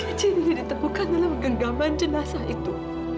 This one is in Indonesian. ini tidak bukan dalam genggaman jenazah itu